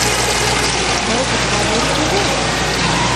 Был бит ғәҙел түгел!